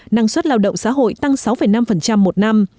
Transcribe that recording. năng suất lao động xã hội tăng sáu năm một năm